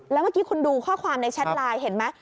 แล้วเมื่อกี้คุณดูข้อความในแชทไลน์เห็นไหม